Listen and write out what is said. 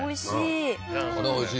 おいしい。